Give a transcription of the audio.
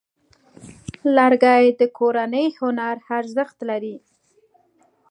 لرګی د کورني هنر ارزښت لري.